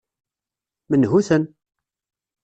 Menhu-ten?